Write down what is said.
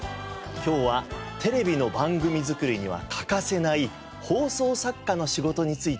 今日はテレビの番組作りには欠かせない放送作家の仕事についてご紹介します。